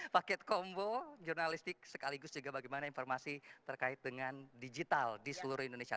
paket kombo jurnalistik sekaligus juga bagaimana informasi terkait dengan digital di seluruh indonesia